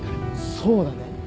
そうだね。